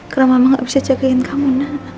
karena mama gak bisa jagain kamu na